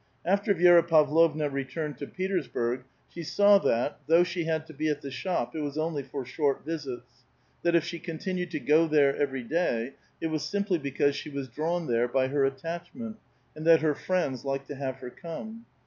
After Vi^ra Pavlovna returned to Petersburg, she saw that, though she had to be at the shop, it was only for short visits ; that if she continued to go there every day, it was simply be cause she was drawn there by her attachment, and that her friends liked to have her come.